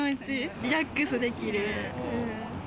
リラックスできる。